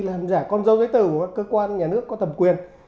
làm giả con dâu giấy tờ của các cơ quan nhà nước có thầm quyền